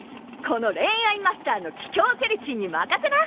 この恋愛マスターの桔梗セリちんに任せな！